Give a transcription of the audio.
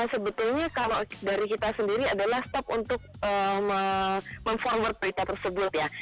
sebetulnya kalau dari kita sendiri adalah stop untuk mem forward berita tersebut ya